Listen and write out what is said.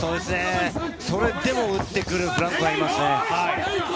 それでも打ってくるフランコがいますね。